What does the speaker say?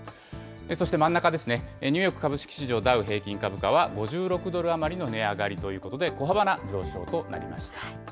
そして真ん中ですね、ニューヨーク株式市場ダウ平均株価は、５６ドル余りの値上がりということで、小幅な上昇となりました。